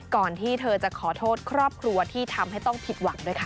ก่อนที่เธอจะขอโทษครอบครัวที่ทำให้ต้องผิดหวังด้วยค่ะ